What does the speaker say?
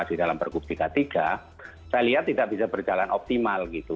di dalam pergub tiga puluh tiga saya lihat tidak bisa berjalan optimal gitu